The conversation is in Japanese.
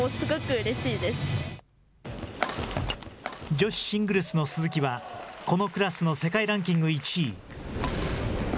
女子シングルスの鈴木は、このクラスの世界ランキング１位。